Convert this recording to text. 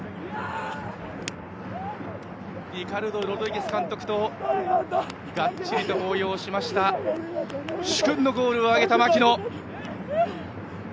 リカルド・ロドリゲス監督とがっちり抱擁しました殊勲のゴールを挙げた槙野！